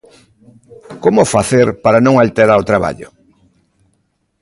Como facer para non alterar o traballo?